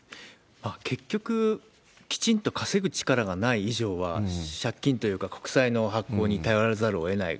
結局、きちんと稼ぐ力がない以上は、借金というか、国債の発行に頼らざるをえない。